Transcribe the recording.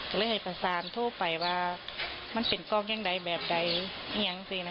ก็เลยให้ผสานโทษไปว่ามันเป็นกร่องอย่างไงเป็นกรุ่าอย่างนี้นะคะ